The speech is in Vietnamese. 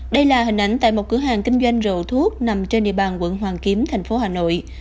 đây là hình ảnh tại một cửa hàng kinh doanh rượu thuốc nằm trên địa bàn quận hoàn kiếm thành phố hà nội